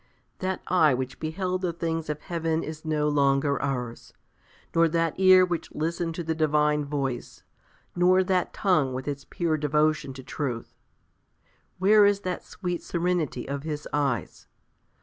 That eye which beheld the things of heaven is no longer ours, nor that ear which listened to the Divine voice, nor that tongue with its pure devotion to truth20742074 τὸ ἁγνὸν ἀνάθημα τῆς ἀληθείας.. Where is that sweet serenity of his eyes?